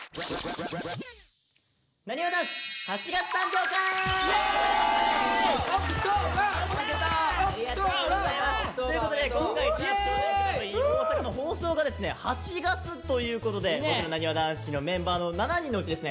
オクトーバー！ということで今回「ザ少年倶楽部ｉｎ大阪」の放送がですね８月ということで僕らなにわ男子のメンバーの７人のうちですね